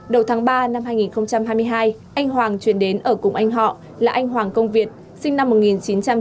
đầu tháng ba năm hai nghìn hai mươi hai anh hoàng chuyển đến ở cùng anh họ là anh hoàng công việt sinh năm một nghìn chín trăm tám mươi